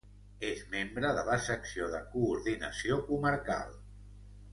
És membre de la Secció de Coordinació comarcal.